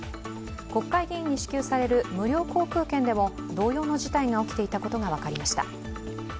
国会議員に支給される無料航空券でも同様の事態が起きていたことが分かりました。